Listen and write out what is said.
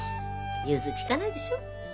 融通利かないでしょ。